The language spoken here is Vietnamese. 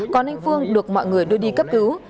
còn anh phương được mọi người đưa đi cấp cứu